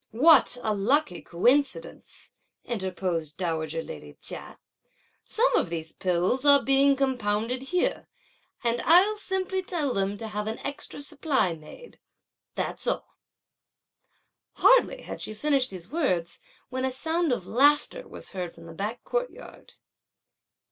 "What a lucky coincidence!" interposed dowager lady Chia; "some of these pills are being compounded here, and I'll simply tell them to have an extra supply made; that's all." Hardly had she finished these words, when a sound of laughter was heard from the back courtyard.